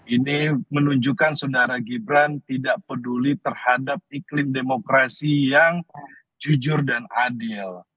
ini menunjukkan saudara gibran tidak peduli terhadap iklim demokrasi yang jujur dan adil